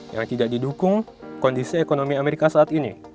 yang tidak didukung kondisi ekonomi amerika saat ini